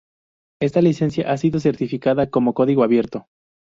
Esta licencia ha sido certificada como código abierto.